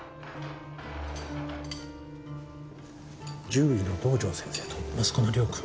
獣医の堂上先生と息子の亮君。